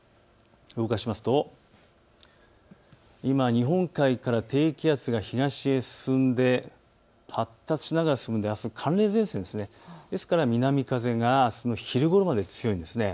動かしますと今、日本海から低気圧が東へ進んで発達しながら進んで寒冷前線ですから南風があすの昼ごろまで強いんです。